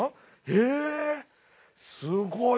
へぇすごい。